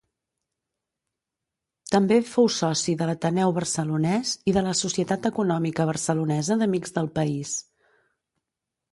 També fou soci de l'Ateneu Barcelonès i de la Societat Econòmica Barcelonesa d'Amics del País.